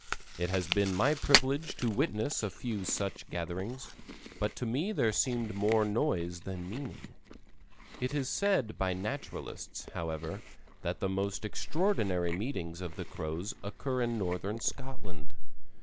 It has been my privilege to witness a few such gatherings, but to me there seemed more noise than meaning. It is said by naturalists, however, that the most extraordinary meetings of the Crows occur in northern Scotland.